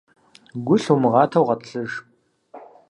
Гу лъумыгъатэу гъэтӏылъыж.